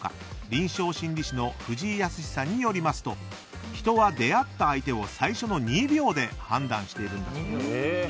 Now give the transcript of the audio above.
臨床心理士の藤井靖さんによりますと人は出会った相手を最初の２秒で判断しているそうです。